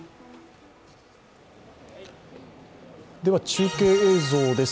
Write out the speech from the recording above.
中継映像です。